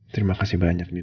terima kasih banyak nin